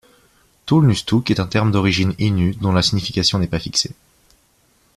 Toulnustouc est un terme d'origine innue dont la signification n'est pas fixée.